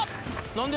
何で？